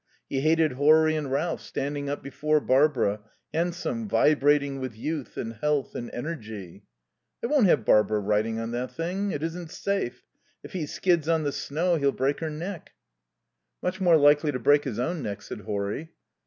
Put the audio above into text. He hated Horry and Ralph standing up before Barbara, handsome, vibrating with youth and health and energy. "I won't have Barbara riding on that thing. It isn't safe. If he skids on the snow he'll break her neck." "Much more likely to break his own neck," said Horry.